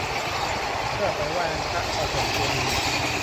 เพื่อไปไหว้พระปฐมเจดีย์